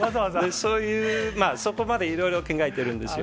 そういう、そこまでいろいろ考えてるんですよ。